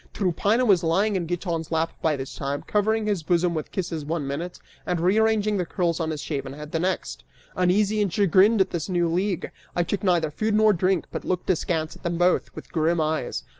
Tryphaena was lying in Giton's lap by this time, covering his bosom with kisses one minute and rearranging the curls upon his shaven head the next. Uneasy and chagrined at this new league, I took neither food nor drink but looked askance at them both, with grim eyes.